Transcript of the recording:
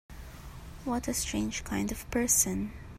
What a strange kind of person!